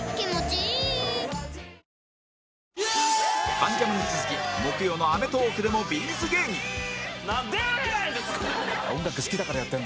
『関ジャム』に続き木曜の『アメトーーク』でもなんでやねん！